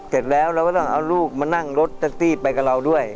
เสร็จแล้วเราก็ต้องเอาลูกมานั่งรถแท็กซี่ไปกับเราด้วย